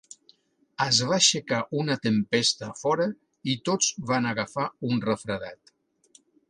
Es va aixecar una tempesta a fora i tots van agafar un refredat.